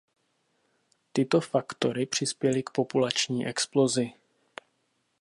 Tyto faktory přispěly k populační explozi.